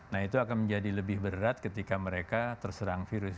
nah itu akan menjadi lebih berat ketika mereka terserang virus